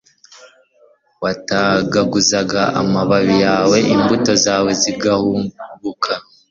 watagaguza amababi yawe, imbuto zawe zigahubuka